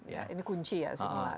ini kunci ya simulasi